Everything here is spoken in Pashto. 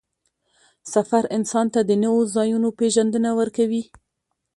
سفر انسان ته د نوو ځایونو پېژندنه ورکوي